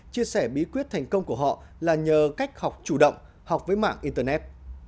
chia sẻ bí quyết thành công của họ là nhờ cách học chủ động học với mạng internet